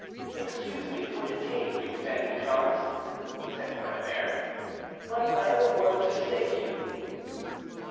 "Excuse me for detaining you, Commander de Jars," said Quennebert, "but I have a word to say to you."